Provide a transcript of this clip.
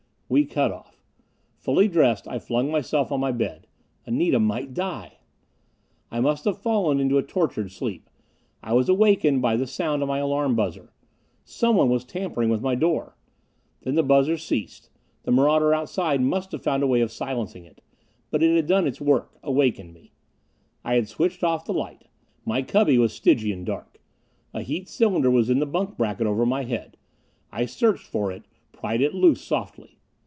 We cut off. Fully dressed, I flung myself on my bed. Anita might die.... I must have fallen into a tortured sleep. I was awakened by the sound of my alarm buzzer. Someone was tampering with my door! Then the buzzer ceased; the marauder outside must have found a way of silencing it. But it had done its work awakened me. I had switched off the light; my cubby was Stygian dark. A heat cylinder was in the bunk bracket over my head; I searched for it, pried it loose softly.